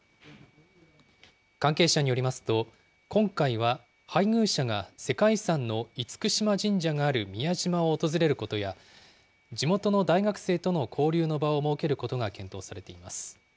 関係者によりますと、今回は配偶者が世界遺産の厳島神社がある宮島を訪れることや、地元の大学生との交流の場を設けることが検討されています。